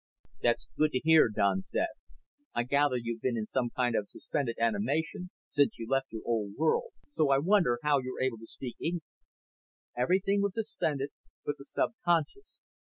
"That's good to hear," Don said. "I gather you've been in some kind of suspended animation since you left your old world. So I wonder how you're able to speak English." "Everything was suspended but the subconscious.